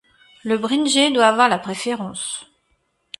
Le bringé doit avoir la préférence.